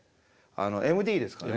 ＭＤですかね？